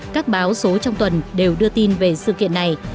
các báo số trong tuần đều đưa tin về sự kiện này